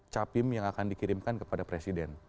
capim yang akan dikirimkan kepada presiden